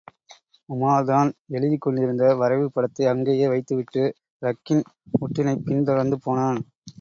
உமார் தான் எழுதிக் கொண்டிருந்த வரைவு படத்தை அங்கேயே வைத்துவிட்டு, ரக்கின் உட்டினைப் பின் தொடர்ந்து போனான்.